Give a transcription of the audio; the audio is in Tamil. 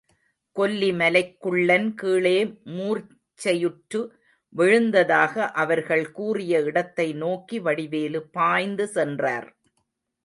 கொல்லிமலைக் குள்ளன் கீழே மூர்ச்சையுற்று விழுந்ததாக அவர்கள் கூறிய இடத்தை நோக்கி வடிவேலு பாய்ந்து சென்றார்.